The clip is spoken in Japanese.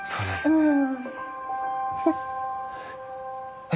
うん。